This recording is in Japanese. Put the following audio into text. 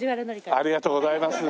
ありがとうございます。